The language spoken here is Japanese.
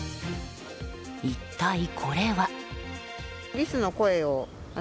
一体これは。